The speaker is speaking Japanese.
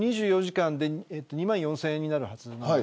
２４時間で２万４０００円になるはずです。